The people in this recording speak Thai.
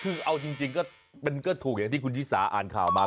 คือเอาจริงก็ถูกอย่างที่คุณชิสาอ่านข่าวมา